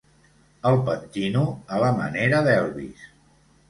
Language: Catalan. El pentino a la manera d'Elvis.